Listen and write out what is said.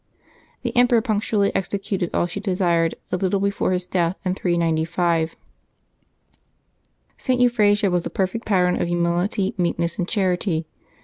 The Emperor punctu ally executed all she desired, a little before his death in 395. St. Euphrasia was a perfect pattern of humility, meekness, and charity.